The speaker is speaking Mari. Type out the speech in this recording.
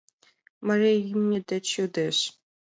Марий имне деч йодеш: